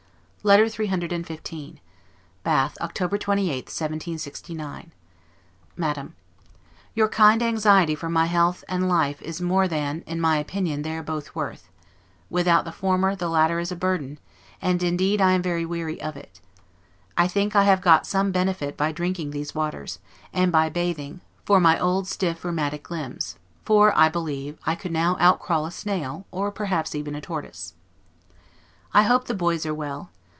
LETTER CCCXV BATH, October 28, 1769. MADAM: Your kind anxiety for my health and life is more than, in my opinion, they are both worth; without the former the latter is a burden; and, indeed, I am very weary of it. I think I have got some benefit by drinking these waters, and by bathing, for my old stiff, rheumatic limbs; for, I believe, I could now outcrawl a snail, or perhaps even a tortoise. I hope the boys are well.